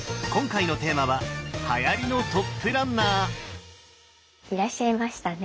今回のいらっしゃいましたね。